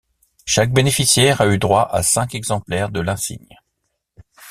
Chaque bénéficiaire a eu droit à cinq exemplaires de l'insigne.